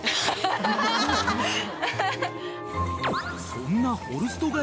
［そんな］